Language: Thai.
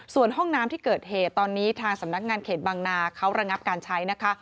ส่วนห้องน้ำที่เกิดเหตุตอนนี้ทางสำนักงานเขตบางนาเขาระงับการใช้นะคะ